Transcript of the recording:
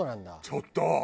ちょっと！